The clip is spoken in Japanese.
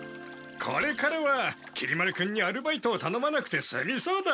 これからはきり丸君にアルバイトをたのまなくてすみそうだ！